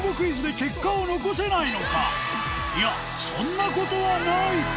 そんなことはない！